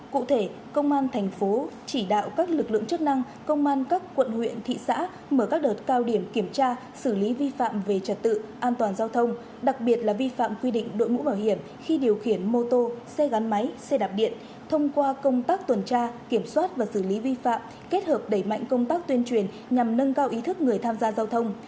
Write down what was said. cụ thể công an thành phố chỉ đạo các lực lượng chức năng công an các quận huyện thị xã mở các đợt cao điểm kiểm tra xử lý vi phạm về trật tự an toàn giao thông đặc biệt là vi phạm quy định đội mũ bảo hiểm khi điều khiển mô tô xe gắn máy xe đạp điện thông qua công tác tuần tra kiểm soát và xử lý vi phạm kết hợp đẩy mạnh công tác tuyên truyền nhằm nâng cao ý thức người tham gia giao thông